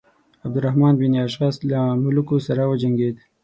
عبدالرحمن بن اشعث له ملوکو سره وجنګېد.